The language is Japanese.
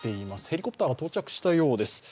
ヘリコプターが到着したようです。